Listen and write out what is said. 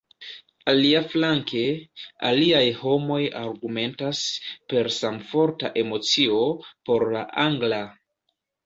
Aliaflanke, aliaj homoj argumentas, per samforta emocio, por la angla.